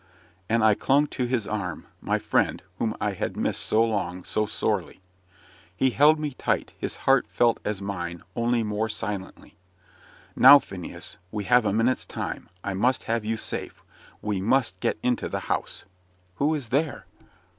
And I clung to his arm my friend, whom I had missed so long, so sorely. He held me tight his heart felt as mine, only more silently. "Now, Phineas, we have a minute's time. I must have you safe we must get into the house." "Who is there?"